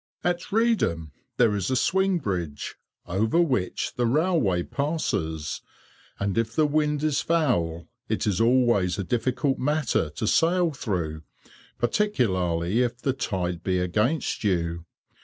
At Reedham there is a swing bridge, over which the railway passes, and if the wind is foul it is always a difficult matter to sail through, particularly if the tide be against you.